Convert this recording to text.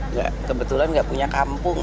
nggak kebetulan nggak punya kampung